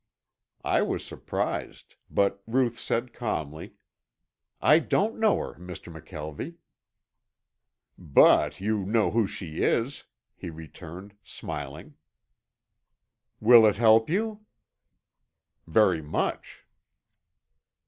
I was surprised, but Ruth said calmly, "I don't know her, Mr. McKelvie." "But you know who she is," he returned, smiling. "Will it help you?" "Very much."